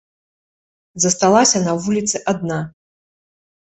Засталася на вуліцы адна.